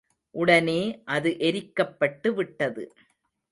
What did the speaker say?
உடனே அது எரிக்கப்பட்டு விட்டது.